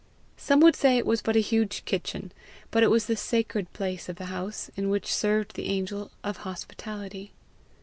Some would say it was but a huge kitchen; but it was the sacred place of the house, in which served the angel of hospitality.